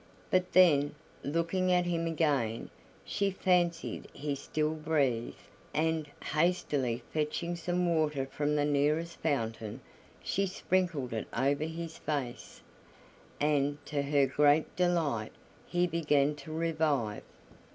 But then, looking at him again, she fancied he still breathed, and, hastily fetching some water from the nearest fountain, she sprinkled it over his face, and, to her great delight, he began to revive.